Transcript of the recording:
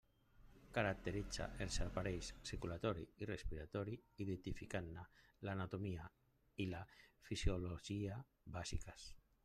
Caracteritza els aparells circulatori i respiratori identificant-ne l'anatomia i la fisiologia bàsiques.